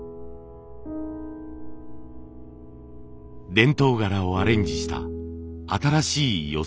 伝統柄をアレンジした新しい寄木細工。